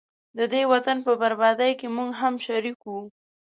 ددې وطن په بربادۍ کي موږه هم شریک وو